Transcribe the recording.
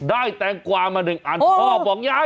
แตงกวามาหนึ่งอันพ่อบอกยาย